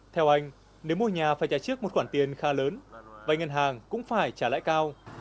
theo anh nếu mua nhà phải trả trước một khoản tiền khá lớn và ngân hàng cũng phải trả lãi cao